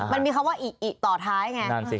มันมีคำว่าอิต่อท้ายไง